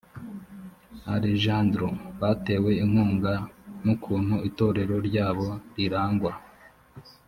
alejandro batewe inkunga n ukuntu itorero ryabo rirangwa